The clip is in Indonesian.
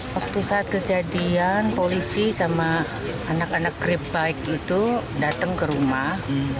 waktu saat kejadian polisi sama anak anak grab bike itu datang ke rumah